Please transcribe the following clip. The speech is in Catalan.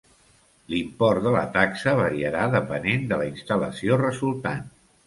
L'import de la taxa variarà depenent de la instal·lació resultant.